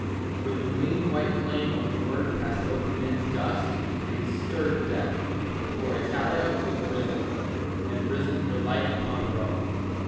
When the winged white flame of the word Passed over men's dust, and stirred Death; for Italia was risen, And risen her light upon Rome.